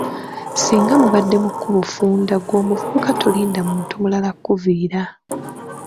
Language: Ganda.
Singa mubadde mu kkubo ffunda ggwe omuvubuka tolinda muntu mulala kukuviira.